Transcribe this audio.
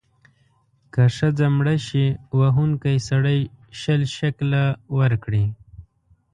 که ښځه مړه شي، وهونکی سړی شل شِکِله ورکړي.